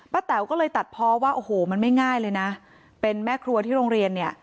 แต๋วก็เลยตัดเพราะว่าโอ้โหมันไม่ง่ายเลยนะเป็นแม่ครัวที่โรงเรียนเนี่ย